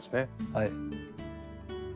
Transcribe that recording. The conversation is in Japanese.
はい。